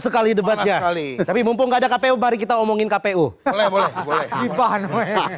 sekali debatnya kali tapi mumpung nggak ada kpu mari kita omongin kpu boleh boleh boleh